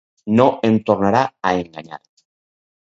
No em tornarà a enganyar.